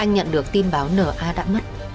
nhận được tin báo n a đã mất